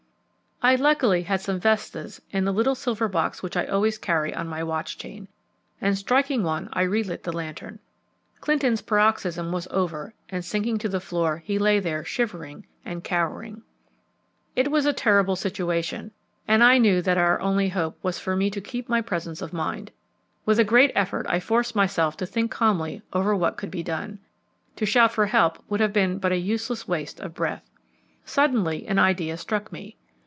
I luckily had some vestas in the little silver box which I always carry on my watch chain, and striking one I relit the lantern. Clinton's paroxysm was over, and sinking to the floor he lay there shivering and cowering. It was a terrible situation, and I knew that our only hope was for me to keep my presence of mind. With a great effort I forced myself to think calmly over what could be done. To shout for help would have been but a useless waste of breath. Suddenly an idea struck me.